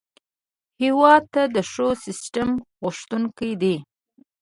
هېواد د ښو سیسټم غوښتونکی دی.